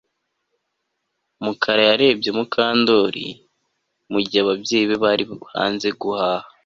Mukara yarebye Mukandoli mugihe ababyeyi be bari hanze guhaha